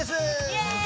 イエーイ！